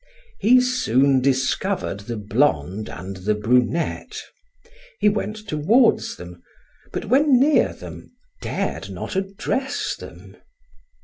He soon discovered the blonde and the brunette. He went toward them, but when near them dared not address them.